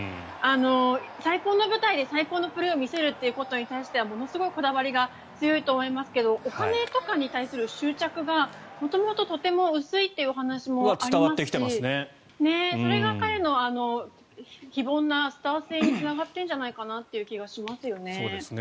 最高の舞台で最高のプレーを見せるということに関してはものすごいこだわりが強いと思いますけどお金とかに対する執着が元々とても薄いという話もありますしそれが彼の非凡なスター性につながっているんじゃないかなという気がしますよね。